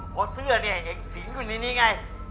เพราะเสื้อเนี่ยเห็นสิงอยู่ในนี้ไง